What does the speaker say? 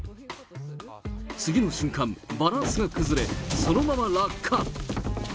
次の瞬間、バランスが崩れ、そのまま落下。